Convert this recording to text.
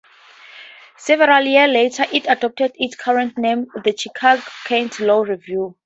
Several years later, it adopted its current name, the Chicago-Kent Law Review.